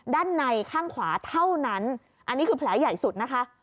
ด้านในข้างขวาเท่านั้นอันนี้คือแผลใหญ่สุดนะคะ